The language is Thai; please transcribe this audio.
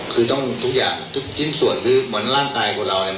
คือต้องทุกอย่างทุกชิ้นส่วนคือเหมือนร่างกายคนเราเนี่ย